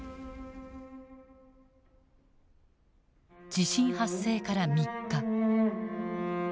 地震発生から３日。